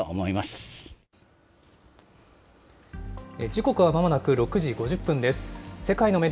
時刻はまもなく６時５０分です。